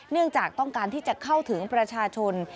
จากต้องการที่จะเข้าถึงประชาชน